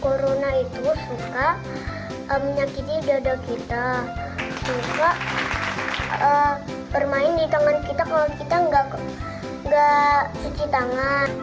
corona itu suka menyakiti dada kita suka bermain di tangan kita kalau kita enggak enggak cuci tangan